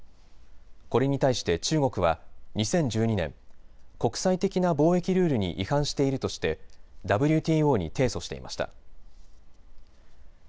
これに対して中国は２０１２年、国際的な貿易ルールに違反しているとしてＷＴＯに提訴していました。